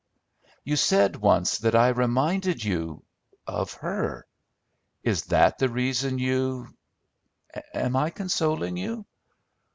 "You said once that I reminded you of her: is that the reason you Am I consoling you?"